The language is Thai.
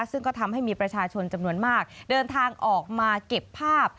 ซึ่งก็ทำให้มีประชาชนจำนวนมากเดินทางออกมาเก็บภาพ